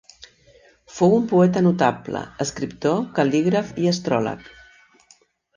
Fou un poeta notable, escriptor, cal·lígraf i astròleg.